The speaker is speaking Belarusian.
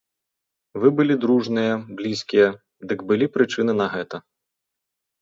Вы былі дружныя, блізкія, дык былі прычыны на гэта.